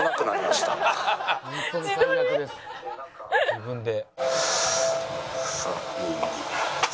自分で。